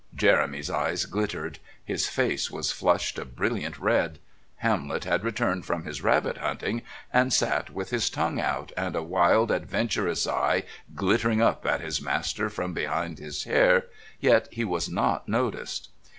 Jeremy's eyes glittered; his face was flushed a brilliant red. Hamlet had returned from his rabbit hunting and sat with his tongue out and a wild adventurous eye glittering up at his master from behind his hair, yet he was not noticed.